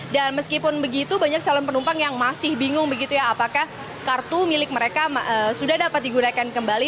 dan meskipun begitu banyak salun penumpang yang masih bingung begitu ya apakah kartu milik mereka sudah dapat digunakan kembali